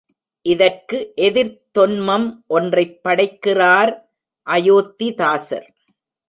இதற்கு எதிர்த் தொன்மம் ஒன்றைப் படைக்கிறார் அயோத்திதாசர்.